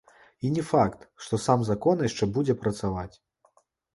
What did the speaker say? І не факт, што сам закон яшчэ будзе працаваць.